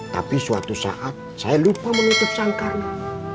tapi suatu saat saya lupa menutup sangkarnya